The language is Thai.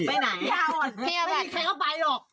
โอ๊ยเคยไปหรอก